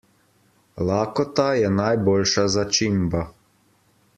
Lakota je najboljša začimba.